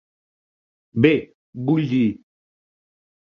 Bé, vull dir...